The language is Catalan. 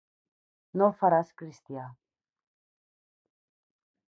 No el faràs cristià.